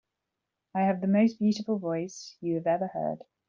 I have the most beautiful voice you have ever heard.